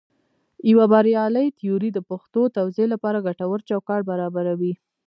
یوه بریالۍ تیوري د پېښو توضیح لپاره ګټور چوکاټ برابروي.